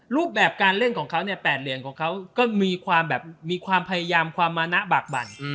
รูปแบบการเล่นของเขาเนี่ย๘เหรียญของเขาก็มีความแบบมีความพยายามความมานะบากบั่น